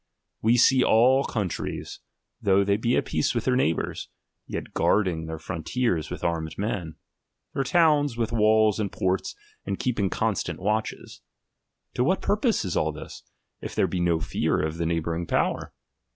We see all countries, lOUgh they be at peace with their neighbours, guarding their frontiers with armed men, their towns with walls and ports, and keeping constant watches. To what purpose is all this, if there be no fear of the neighbouring power